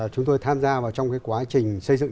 chúng tôi tham gia vào trong cái quá trình xây dựng